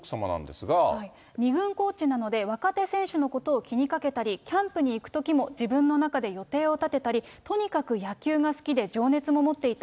２軍コーチなので、若手選手のことを気にかけたり、キャンプに行くときも自分の中で予定を立てたり、とにかく野球が好きで、情熱も持っていた。